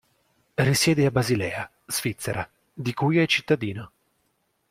Risiede a Basilea, Svizzera, di cui è cittadino..